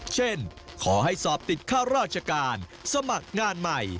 เช่นขอให้สอบติดค่าราชการสมัครงานใหม่